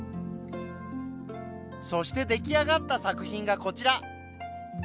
そして出来上がった作品がこちら。